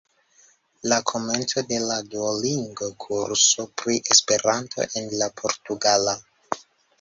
La komenco de la Duolingo-kurso pri Esperanto en la portugala.